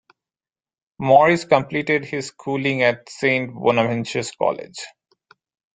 Morris completed his schooling at Saint Bonaventure's College.